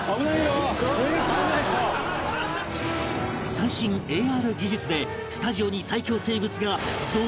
最新 ＡＲ 技術でスタジオに最恐生物が続々登場！